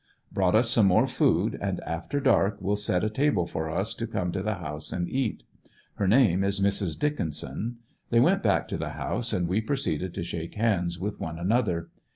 Brought us some more food, and after dark will set a table for us to come to the house and eat. Her name is Mrs. Dickinson. They went back to the house and we proceeded to shake hands with one another.